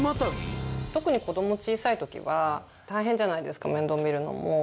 特に子ども小さい時は大変じゃないですか面倒見るのも。